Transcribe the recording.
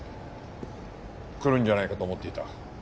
来るんじゃないかと思っていた。